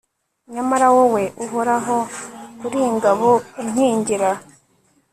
nyamara wowe, uhoraho, uri ingabo inkingira